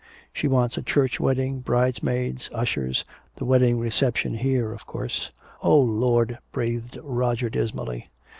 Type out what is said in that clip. She wants a church wedding, bridesmaids, ushers the wedding reception here, of course " "Oh, Lord," breathed Roger dismally.